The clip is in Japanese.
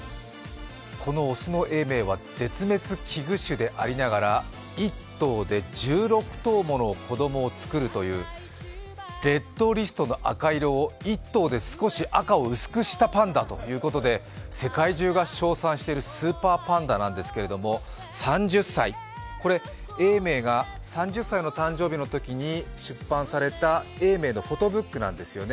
この雄の永明は絶滅危惧種でありながら１頭で１６頭もの子供を作るというレッドリストの赤色を１頭で赤を少し薄くしたパンダということで世界中が称賛しているスーパーパンダなんですけれども、３０歳、これは永明が３０歳の誕生日の時に出版された永明のフォトブックなんですよね。